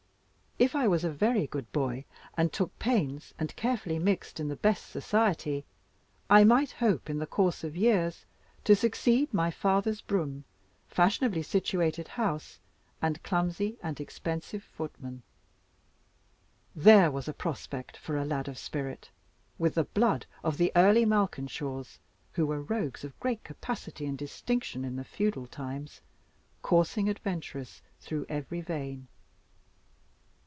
If I was a very good boy and took pains, and carefully mixed in the best society, I might hope in the course of years to succeed to my father's brougham, fashionably situated house, and clumsy and expensive footman. There was a prospect for a lad of spirit, with the blood of the early Malkinshaws (who were Rogues of great capacity and distinction in the feudal times) coursing adventurous through every vein!